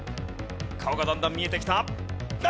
顔がだんだん見えてきた。